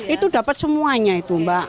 itu dapat semuanya itu mbak